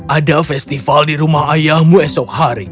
ada festival di rumah ayahmu esok hari